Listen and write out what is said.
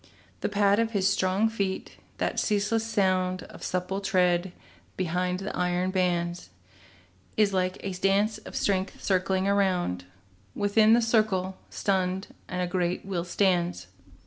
The pad of his strong feet, that ceaseless sound Of supple tread behind the iron bands, Is like a dance of strength circling around, While in the circle, stunned, a great will stands.